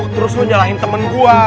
terus lo nyalahin temen gua